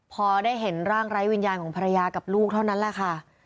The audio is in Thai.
พอได้เห็นร่างไร้วิญญาณของภรรยากับลูกเท่านั้นแหละค่ะ